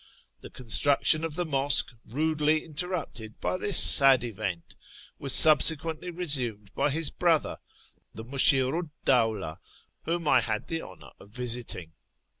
The construction of the mosque, rudely interrupted by this sad event, was subsequently resumed by his brother, the MusMrio 'd JDaivlah, whom I had the honour of TEHERAN 97 visiting.